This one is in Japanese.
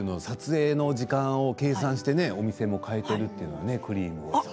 撮影の時間を計算してねお店も変えているっていうのはねクリームを。